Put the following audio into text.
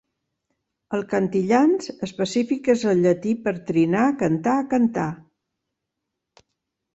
El "cantillans" específic és el llatí per "trinar", "cantar", "cantar".